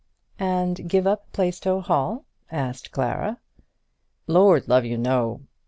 "And give up Plaistow Hall?" asked Clara. "Lord love you, no.